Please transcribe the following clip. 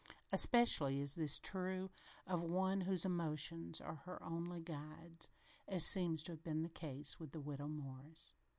Especially is this true of one whose emotions are her only guides, as seems to have been the case with the Widow Morris.